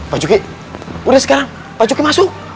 pak cuki udah sekarang pak cuki masuk